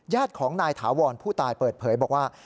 ญาติของนายถาวรผู้ตายเปิดเผยบอกว่า